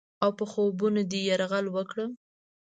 اوپه خوبونو دې یرغل وکړم؟